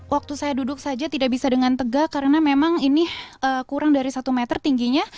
waktu saya duduk saja tidak bisa dengan tegak karena memang ini kurang dari satu meter tingginya